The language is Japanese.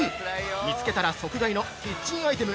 見つけたら即買いのキッチンアイテム